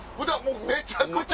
めちゃくちゃ。